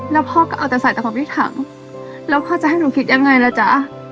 แล้วพ่อก็เอาแต่ใส่แต่ของพี่ถังแล้วพ่อจะให้หนูคิดยังไงล่ะจ๊ะ